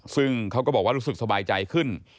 ซึ่งเขาก็บอกว่ารู้สึกสบายใจขึ้น